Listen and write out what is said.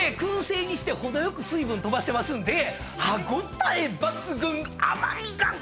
燻製にして程よく水分飛ばしてますんで歯応え抜群！